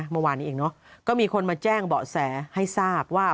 เมื่อวานนี้เองเนอะก็มีคนมาแจ้งเบาะแสให้ทราบว่า